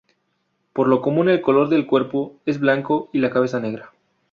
Por lo común el color del cuerpo es blanco y la cabeza negra.